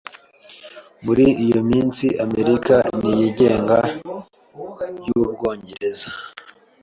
Muri iyo minsi, Amerika ntiyigenga y'Ubwongereza.